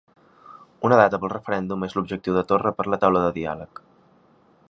Una data pel referèndum és l'objectiu de Torra per la taula de diàleg